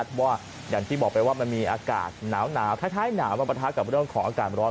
เพราะว่าอย่างที่บอกไปว่ามันมีอากาศหนาวท้ายหนาวมาปะทะกับเรื่องของอากาศร้อน